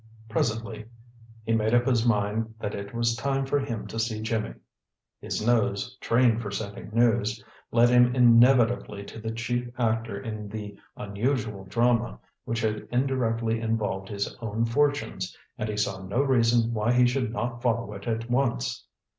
Presently he made up his mind that it was time for him to see Jimmy. His nose, trained for scenting news, led him inevitably to the chief actor in the unusual drama which had indirectly involved his own fortunes, and he saw no reason why he should not follow it at once.